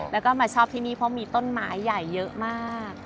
แล้วก็มาชอบที่นี่เพราะมีต้นไม้ใหญ่เยอะมาก